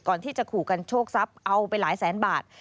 ก่อนที่จะขู่กันโชคทรัพย์เอาไปหลายแสนบาท